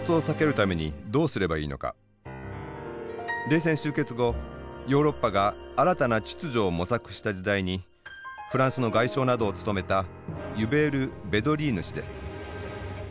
冷戦終結後ヨーロッパが新たな秩序を模索した時代にフランスの外相などを務めたユベール・ヴェドリーヌ氏です。